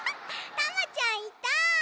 タマちゃんいた！